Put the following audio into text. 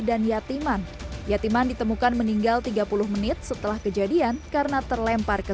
dan yatiman yatiman ditemukan meninggal tiga puluh menit setelah kejadian karena terlempar ke